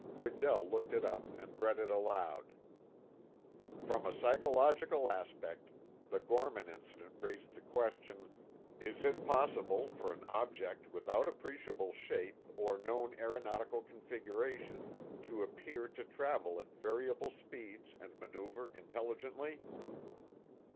Redell looked it up and read it aloud: "'From a psychological aspect, the Gorman incident raised the question, "Is it possible for an object without appreciable shape or known aeronautical configuration to appear to travel at variable speeds and maneuver intelligently?"